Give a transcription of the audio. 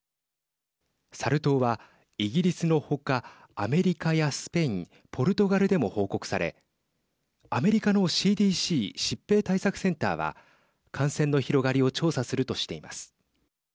サル痘は、イギリスのほかアメリカやスペインポルトガルでも報告されアメリカのＣＤＣ＝疾病対策センターは感染の広がりを調査するとしています。